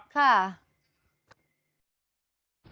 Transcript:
ค่ะ